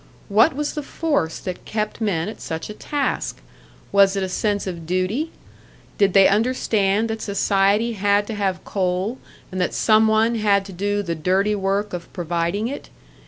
What was the force that kept men at such a task? Was it a sense of duty? Did they understand that society had to have coal and that some one had to do the "dirty work" of providing it?